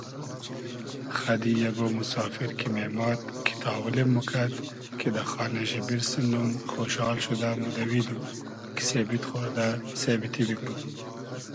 خئدی یئگۉ موسافیر کی مېماد کی تاولیم موکئد کی دۂ خانې شی بیرسینوم خۉشال شودۂ مودئویدوم کی سېبید خۉردۂ سېبتی بیگروم